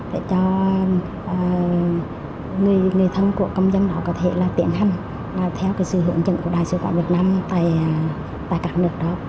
để cho người thân của công dân đó có thể là tiến hành theo cái sự hướng dẫn của đại sứ quán việt nam tại các nước đó